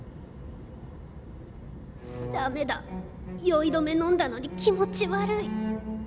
酔い止めのんだのに気持ち悪い。